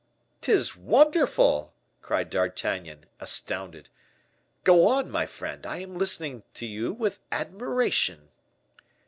"'Tis wonderful," cried D'Artagnan, astounded. "Go on, my friend, I am listening to you with admiration."